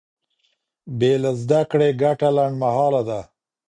بې له زده کړې ګټه لنډمهاله ده.